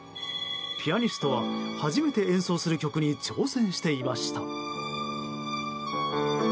ピアニストは初めて演奏する曲に挑戦していました。